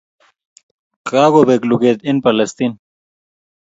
Kakobek luget eng' Palestine.